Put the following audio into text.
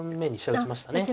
打ちましたね。